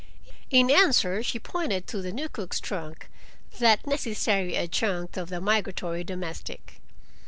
In answer she pointed to the new cook's trunk—that necessary adjunct of the migratory domestic.